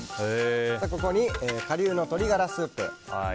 ここに顆粒の鶏ガラスープ。